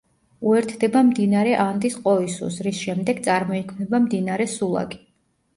უერთდება მდინარე ანდის ყოისუს, რის შემდეგ წარმოიქმნება მდინარე სულაკი.